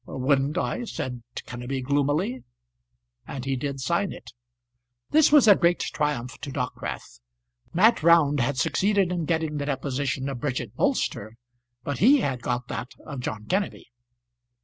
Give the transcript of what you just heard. "Wouldn't I?" said Kenneby gloomily; and he did sign it. This was a great triumph to Dockwrath. Mat Round had succeeded in getting the deposition of Bridget Bolster, but he had got that of John Kenneby.